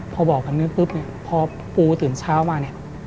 พอบอกกันนึงปุ๊บพอปูตื่นเช้ามา